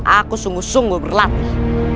aku sungguh sungguh berlatih